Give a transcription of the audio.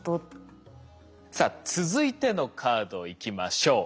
さあ続いてのカードいきましょう。